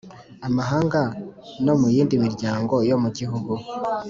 amahanga no mu yindi miryango yo mu gihugu